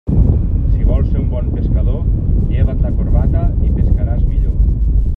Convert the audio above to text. Si vols ser un bon pescador, lleva't la corbata i pescaràs millor.